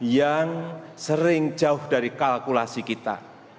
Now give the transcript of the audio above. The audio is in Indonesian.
yang sering jauh dari kalkulasi kita